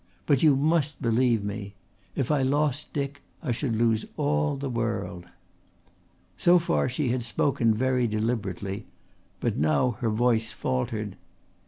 But you must believe me. If I lost Dick I should lose all the world." So far she had spoken very deliberately, but now her voice faltered.